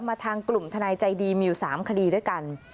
มาทางกลุ่มทนายใจดีมิวสามคดีด้วยกัน